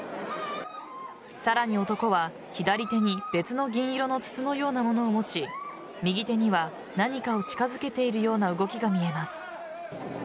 さらに男は左手に別の銀色の筒のような物を持ち右手には何かを近づけているような動きが見えます。